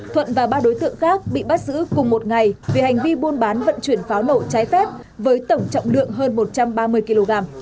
thuận và ba đối tượng khác bị bắt giữ cùng một ngày vì hành vi buôn bán vận chuyển pháo nổ trái phép với tổng trọng lượng hơn một trăm ba mươi kg